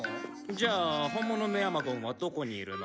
じゃあ本物のヤマゴンはどこにいるの？